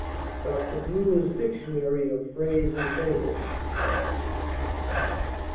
DR. BREWER'S Dictionary of Phrase and Fable.